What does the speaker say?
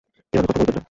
এভাবে কথা বলবেন না।